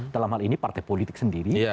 dalam hal ini partai politik sendiri